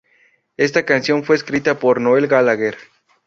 Esta canción fue escrita por Noel Gallagher.